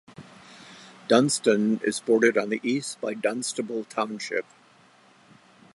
Dunnstown is bordered on the east by Dunnstable Township.